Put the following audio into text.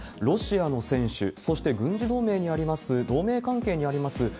ロシアの選手、そして軍事同盟にあります、同盟関係にあります